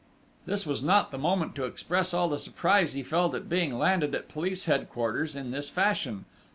This was not the moment to express all the surprise he felt at being landed at Police Headquarters in this fashion....